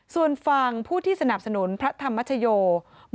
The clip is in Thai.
ส่วนฝั่งผู้ที่สนับสนุนพระธรรมชโย